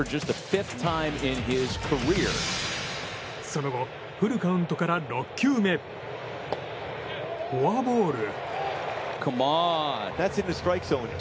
その後フルカウントから６球目フォアボール。